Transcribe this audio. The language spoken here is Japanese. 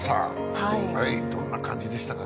はいはいどんな感じでしたか